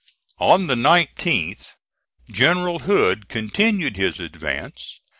On the 19th, General Hood continued his advance.